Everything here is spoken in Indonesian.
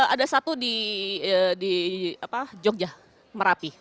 ada satu di jogja merapi